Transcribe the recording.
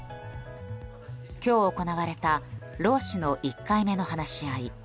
今日行われた労使の１回目の話し合い。